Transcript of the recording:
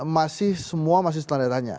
masih semua masih standaritanya